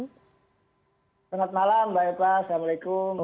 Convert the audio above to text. selamat malam mbak eva assalamualaikum